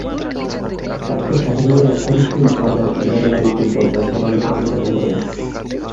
তাকে সাথে নিয়ে রক্ষণশীল বাজার উদার রাজনৈতিক দল যা স্বতন্ত্র পার্টি গঠন করেন।